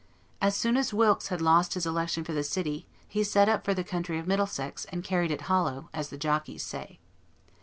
As soon as Wilkes had lost his election for the city, he set up for the county of Middlesex, and carried it hollow, as the jockeys say.